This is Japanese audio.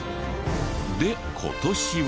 で今年は。